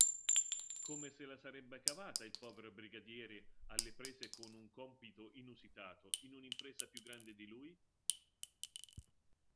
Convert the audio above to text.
Come se la sarebbe cavata il povero brigadiere, alle prese con un compito inusitato, in un'impresa più grande di lui?